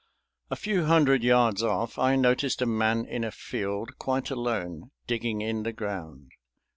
A few hundred yards off I noticed a man in a field quite alone, digging in the ground.